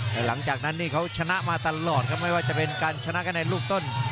แต่หลังจากนั้นนี่เขาชนะมาตลอดครับไม่ว่าจะเป็นการชนะคะแนนลูกต้น